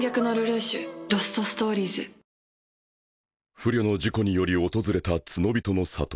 不慮の事故により訪れたツノビトの里